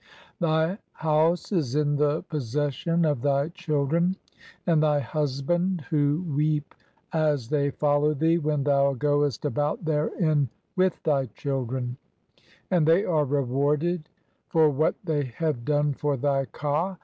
Thy house is in the "possession of thy children and thy husband who "weep as they follow thee when thou goest about "therein with thy children ; and they are rewarded "for what they have done for thy ka.